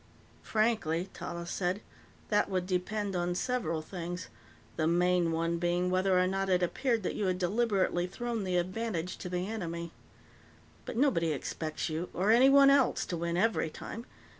"Frankly," Tallis said, "that would depend on several things, the main one being whether or not it appeared that you had deliberately thrown the advantage to the enemy. But nobody expects you, or anyone else, to win every time.